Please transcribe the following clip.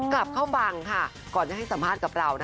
กลับเข้าบังก่อนให้สัมภาษณ์กับเรา